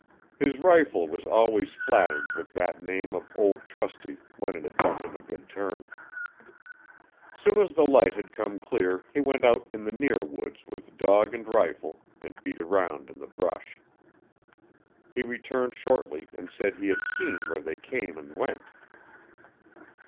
His rifle was always flattered with that name of Ol' Trusty when it had done him a good turn. Soon as the light had come clear he went out in the near woods with dog and rifle and beat around in the brush. He returned shortly and said he had seen where they came and went.